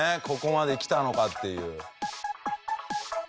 ここまできたのかっていう。